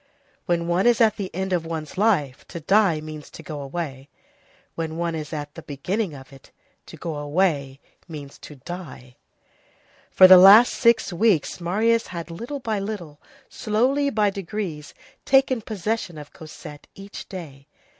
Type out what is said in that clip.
When one is at the end of one's life, to die means to go away; when one is at the beginning of it, to go away means to die. For the last six weeks, Marius had little by little, slowly, by degrees, taken possession of Cosette each day.